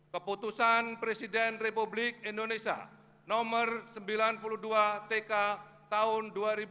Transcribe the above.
keputusan presiden republik indonesia nomor sembilan puluh dua tk tahun dua ribu dua puluh